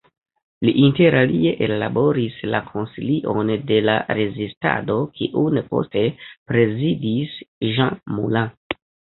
Li interalie ellaboris la "Konsilion de la Rezistado" kiun poste prezidis Jean Moulin.